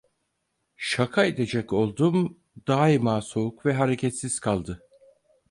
Şaka edecek oldum, daima soğuk ve hareketsiz kaldı.